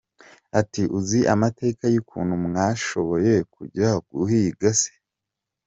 Ati uzi amateka y’ukuntu mwoshoboye kujya kuhiga se?